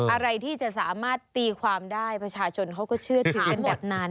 อะไรที่จะสามารถตีความได้ประชาชนเขาก็เชื่อถือกันแบบนั้น